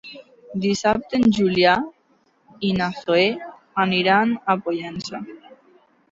Dissabte en Julià i na Zoè aniran a Pollença.